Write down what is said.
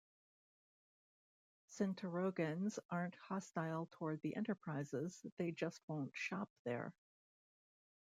Santarogans aren't hostile toward the enterprises, they just won't shop there.